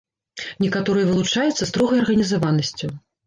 Некаторыя вылучаюцца строгай арганізаванасцю.